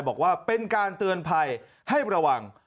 บอกว่าเป็นการเตือนภัยให้ระวัง